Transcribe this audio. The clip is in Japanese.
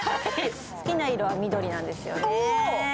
好きな色は緑なんですよね。